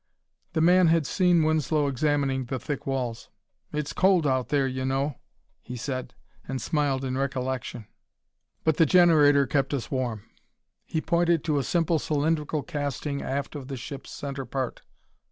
The man had seen Winslow examining the thick walls. "It's cold out there, you know," he said, and smiled in recollection, "but the generator kept us warm." He pointed to a simple cylindrical casting aft of the ship's center part.